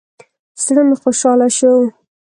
زړه مې خوشحاله شو.